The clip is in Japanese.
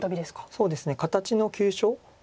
そうですね形の急所。